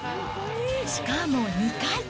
しかも２回。